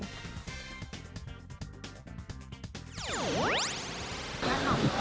หน้าคำเท่าไรคะ